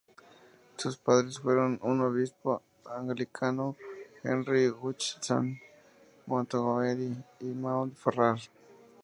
Sus padres fueron un obispo anglicano, Henry Hutchinson Montgomery, y Maud Farrar.